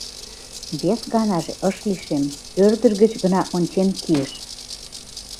Вес ганаже ыш лишем, ӧрдыж гыч гына ончен кийыш.